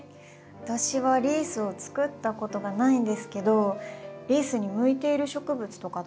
私はリースを作ったことがないんですけどリースに向いている植物とかってあるんですか？